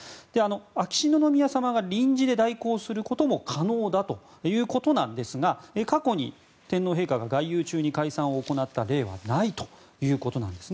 秋篠宮さまが臨時で代行することも可能だということですが過去に天皇陛下が外遊中に解散を行った例はないということなんです。